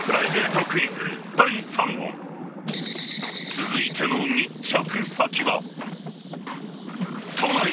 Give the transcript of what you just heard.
［続いての密着先は］